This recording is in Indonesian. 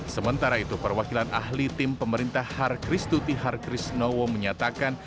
sementara itu perwakilan ahli tim pemerintah harkristuti harkrisnowo menyatakan